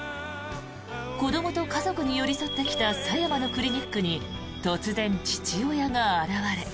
子どもと家族に寄り添ってきた佐山のクリニックに突然、父親が現れ。